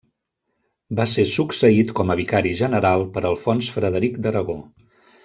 Va ser succeït com a vicari general per Alfons Frederic d'Aragó.